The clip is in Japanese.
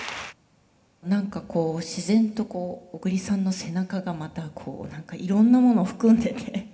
何かこう自然とこう小栗さんの背中がまたこう何かいろんなもの含んでて。